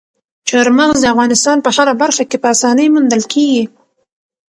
چار مغز د افغانستان په هره برخه کې په اسانۍ موندل کېږي.